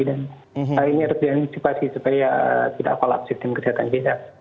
dan ini harus diantisipasi supaya tidak kolapsi sistem kesehatan kita